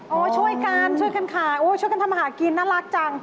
โอ้โฮช่วยกันช่วยกันขายช่วยกันทำอาหารกินน่ารักจัง